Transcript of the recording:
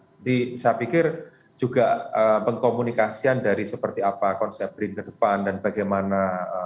jadi saya pikir juga pengkomunikasian dari seperti apa konsep brin ke depan dan bagaimana